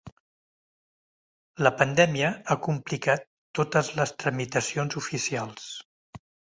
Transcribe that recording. La pandèmia ha complicat totes les tramitacions oficials.